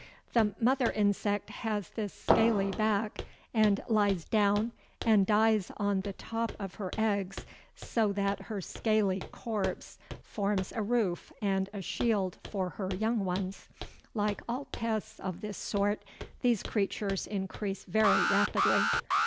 The mother insect has this scaly back, and lies down and dies on the top of her eggs, so that her scaly corpse forms a roof and a shield for her young ones. Like all pests of this sort, these creatures increase very rapidly.